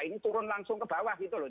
ini turun langsung ke bawah gitu loh